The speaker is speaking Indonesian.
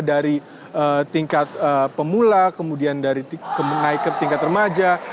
dari tingkat pemula kemudian dari menaikkan tingkat remaja